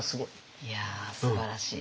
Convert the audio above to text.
いやすばらしい。